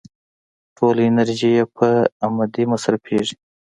ټوله انرژي يې په امدې مصرفېږي.